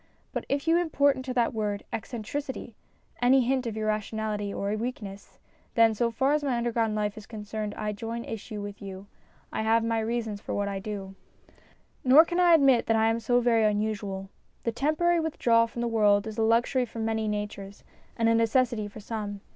But if you import into that word, eccentricity, any hint of irrationality or weakness, then, so far as my underground life is concerned, I join issue with you. I have my reasons for what I do. Nor can I admit that I am so very unusual. The temporary withdrawal from the world is a luxury for many natures and a necessity for some.